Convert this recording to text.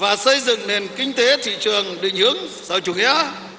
và xây dựng nền kinh tế thị trường định hướng sau chủ nghĩa